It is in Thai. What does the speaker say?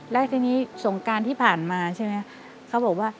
และทีนี้ส่งการที่ผ่านมาเขาบอกว่า